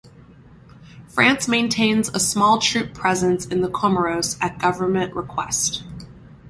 France maintains a small troop presence in the Comoros at government request.